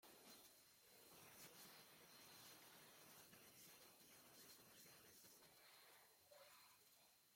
Comenzó su carrera dirigiendo programas de televisión y anuncios comerciales.